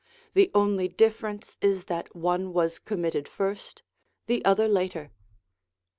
The only difference is that one was committed first, the other later.